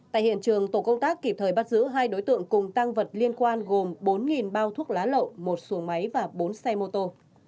tại hiện trường tổ công tác kịp thời bắt giữ hai đối tượng cùng tăng vật liên quan gồm bốn bao thuốc lá lậu một xuồng máy và bốn xe mô tô